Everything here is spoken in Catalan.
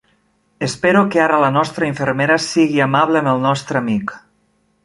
Espero que ara la nostra infermera sigui amable amb el nostre amic.